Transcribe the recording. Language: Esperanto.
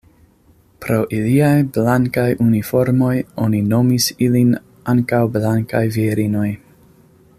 Pro iliaj blankaj uniformoj oni nomis ilin ankaŭ Blankaj virinoj.